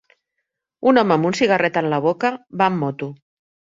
Un home amb un cigarret en la boca va amb moto.